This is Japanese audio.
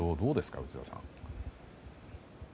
内田さん。